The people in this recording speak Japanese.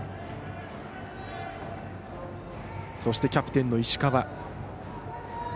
そして、キャプテンの石川。